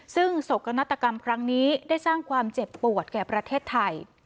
ซึ่งโศกนาฏกรรมครั้งนี้ได้สร้างความเจ็บปวดแก่ประเทศไทย